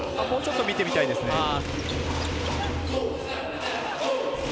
もうちょっと見てみたいですね。